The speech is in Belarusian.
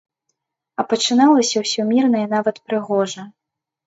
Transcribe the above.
А пачыналася ўсё мірна і нават прыгожа.